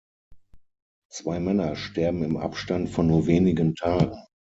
Zwei Männer sterben im Abstand von nur wenigen Tagen.